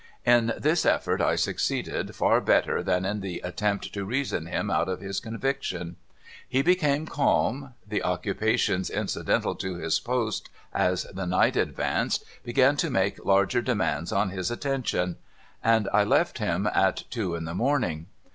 In this effort I succeeded far better than in the attempt to reason him out of his conviction. He became calm ; the occupations incidental to his post as the night advanced began to make larger demands on his attention : and I left him at two in the morning.